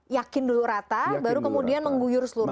yakin dulu rata baru kemudian mengguyur seluruh